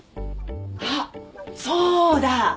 あっそうだ。